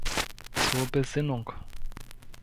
Zur Besinnung.